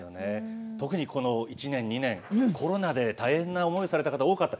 特に、この１年２年コロナで大変な思いをした方多かった。